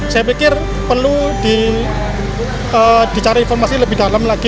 saya pikir perlu dicari informasi lebih dalam lagi